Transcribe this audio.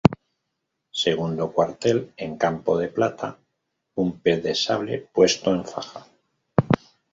Segundo cuartel, en campo de plata un pez de sable puesto en faja.